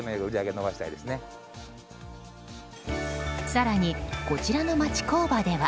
更に、こちらの町工場では。